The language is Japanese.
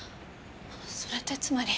それってつまり。